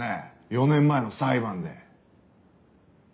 ４年前の裁判で。